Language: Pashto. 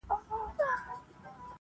داسي ولاړ سي لکه نه وي چي راغلی -